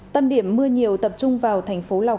tâm điểm mưa nhiều tập trung vào thành phố lào cai